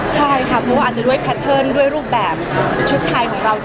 ใช่ค่ะเพราะว่าอาจจะด้วยแพทเทิร์นด้วยรูปแบบชุดไทยของเรา